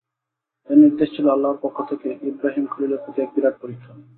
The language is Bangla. এ নির্দেশ ছিল আল্লাহর পক্ষ থেকে ইবরাহীম খলীলের প্রতি এক বিরাট পরীক্ষা।